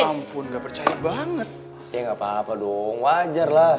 ya ampun gak percaya banget